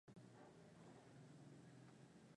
Dalili za ugonjwa huu kwa wanyama waliokufa